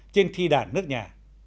trên thi đàn nước nhà